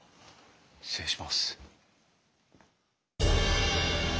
失礼します。